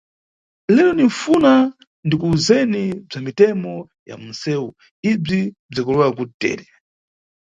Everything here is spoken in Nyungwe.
Lero ninʼfuna ndikuwuzeni bza mitemo ya munʼsewu, ibzi bzikulewa kuti tere.